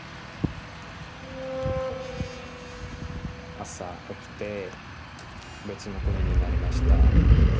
朝起きて別の国になりました。